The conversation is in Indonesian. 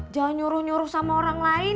jangan nyuruh nyuruh sama orang lain